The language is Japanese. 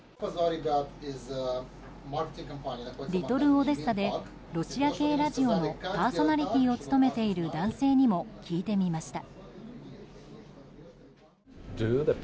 リトル・オデッサでロシア系ラジオのパーソナリティーを務めている男性にも聞いてみました。